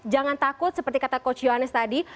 jangan takut seperti kata coach yohanes tadi